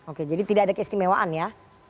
oke jadi tidak ada keistimewaan ya